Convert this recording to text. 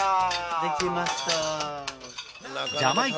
できました！